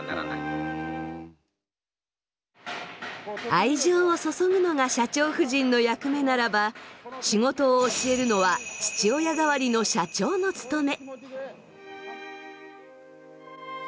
愛情を注ぐのが社長夫人の役目ならば仕事を教えるのは父親代わりの社長の務め。